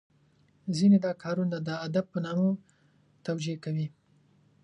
ځینې دا کارونه د ادب په نامه توجه کوي .